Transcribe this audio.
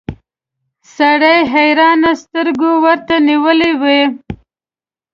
سړي حيرانې سترګې ورته نيولې وې.